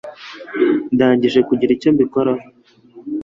Ndangije kugira icyo mbikoraho.